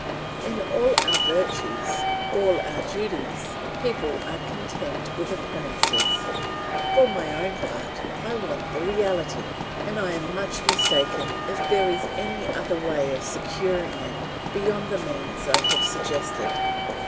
In all our virtues, all our duties, people are content with appearances; for my own part I want the reality, and I am much mistaken if there is any other way of securing it beyond the means I have suggested.